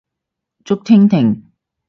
竹蜻蜓